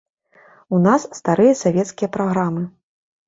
У нас старыя савецкія праграмы.